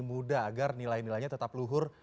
muda agar nilai nilainya tetap luhur